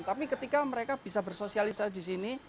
tapi ketika mereka bisa bersosialisasi di sini